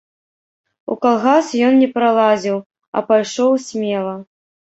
У калгас ён не пралазіў, а пайшоў смела.